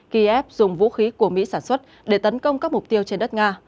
kỳ ép dùng vũ khí của mỹ sản xuất để tấn công các mục tiêu trên đất nga